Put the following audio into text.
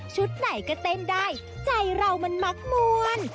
ไหนก็เต้นได้ใจเรามันมักมวล